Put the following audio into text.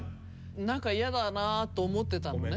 何か嫌だなと思ってたのね。